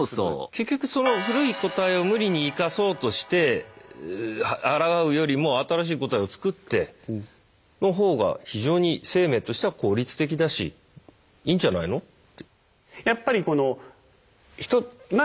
結局その古い個体を無理に生かそうとしてあらがうよりも新しい個体をつくっての方が非常に生命としては効率的だしいいんじゃないのって。